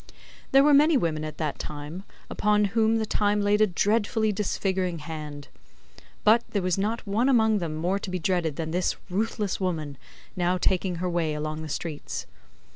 There were many women at that time, upon whom the time laid a dreadfully disfiguring hand; but, there was not one among them more to be dreaded than this ruthless woman, now taking her way along the streets.